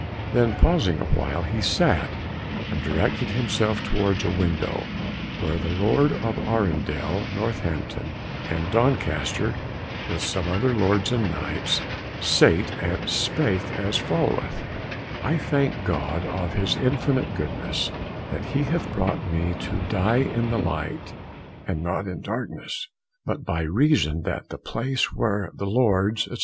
Then pausing a while, he sat, and directed himself towards a window, where the Lord of Arundel, Northampton, and Doncaster, with some other Lords and Knights, sate, and spake as followeth: I thank God, of his infinite goodness, that he hath brought me to die in the light, and not in darkness; (But by reason that the place where the Lords, &c.